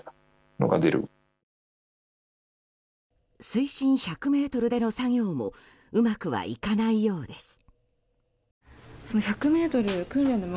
水深１００ｍでの作業もうまくはいかないようです。